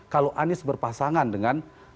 kalau anies berpasangan dengan